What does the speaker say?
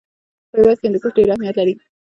په هېواد کې هندوکش ډېر اهمیت لري.